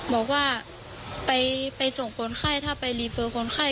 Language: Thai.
บอกว่าไปส่งคนไข้ถ้าไปรีเฟอร์คนไข้